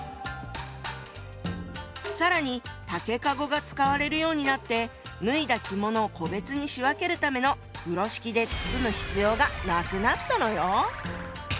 更に竹籠が使われるようになって脱いだ着物を個別に仕分けるための風呂敷で包む必要がなくなったのよ。